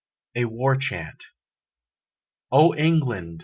A WAR CHANT O England!